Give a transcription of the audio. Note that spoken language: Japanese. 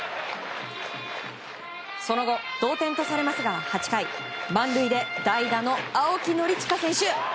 その後、同点とされますが８回満塁で代打の青木宣親選手。